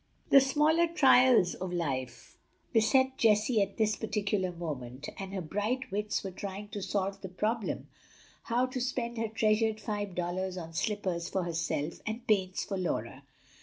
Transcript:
The smaller trials of life beset Jessie at this particular moment, and her bright wits were trying to solve the problem how to spend her treasured five dollars on slippers for herself and paints for Laura.